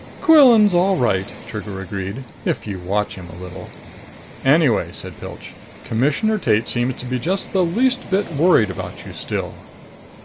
"Quillan's all right," Trigger agreed. "If you watch him a little." "Anyway," said Pilch, "Commissioner Tate seems to be just the least bit worried about you still."